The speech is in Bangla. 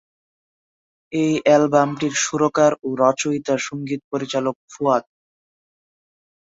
এই অ্যালবামটির সুরকার ও রচয়িতা সংগীত পরিচালক ফুয়াদ।